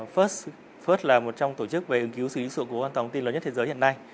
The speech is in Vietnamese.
first furt là một trong tổ chức về ứng cứu xử lý sự cố an toàn thông tin lớn nhất thế giới hiện nay